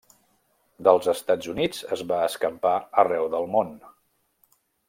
Dels Estats Units es va escampar arreu del món.